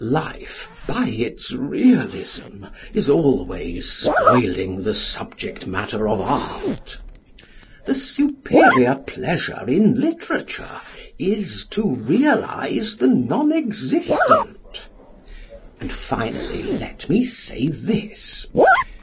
Life by its realism is always spoiling the subject matter of art. The superior pleasure in literature is to realise the non existent. And, finally, let me say this.